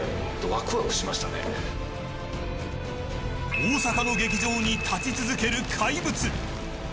大阪の劇場に立ち続ける怪物。